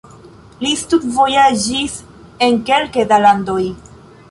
Li studvojaĝis en kelke da landoj.